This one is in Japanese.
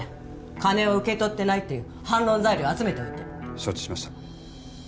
金を受け取ってないっていう反論材料を集めておいて承知しました